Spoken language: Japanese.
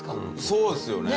そうですよね。